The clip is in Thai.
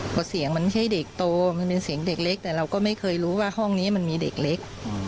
เพราะเสียงมันใช่เด็กโตมันเป็นเสียงเด็กเล็กแต่เราก็ไม่เคยรู้ว่าห้องนี้มันมีเด็กเล็ก